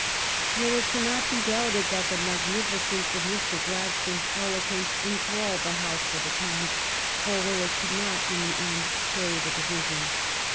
Yet it cannot be doubted that the magnificence of Mr. Gladstones eloquence en thralled the House for the time, although it could not in the end carry the division.